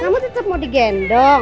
kamu tetap mau di gendong